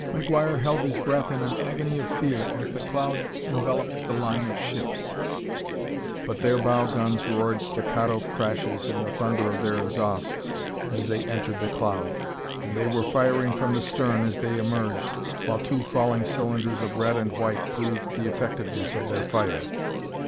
McGuire held his breath in an agony of fear as the cloud enveloped the line of ships, but their bow guns roared staccato crashes in the thunder of their exhausts as they entered the cloud. And they were firing from the stern as they emerged, while two falling cylinders of red and white proved the effectiveness of their fire.